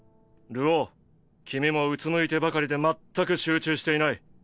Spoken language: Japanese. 流鶯君もうつむいてばかりで全く集中していない。